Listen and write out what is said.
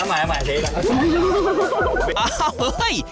ค่อยลาดลงไป